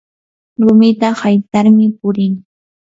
rumita haytarmi purin